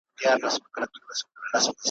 ژوند د ټولو لپاره يو شان نه دی.